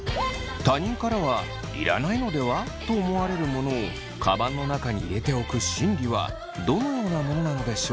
他人からは要らないのでは？と思われるものをカバンの中に入れておく心理はどのようなものなのでしょう？